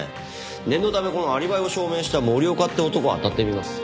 念のためこのアリバイを証明した森岡って男をあたってみます。